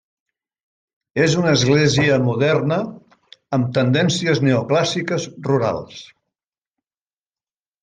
És una església moderna amb tendències neoclàssiques rurals.